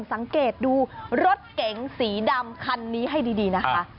สังเกตดูรถเก๋งสีดำคันนี้ให้ดีนะคะ